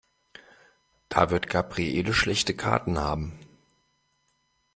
Da wird Gabriele schlechte Karten haben.